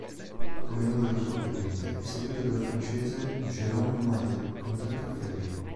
Come numero di Coppe vinte è seguito dal francese Jérôme Meyer con tre trofei.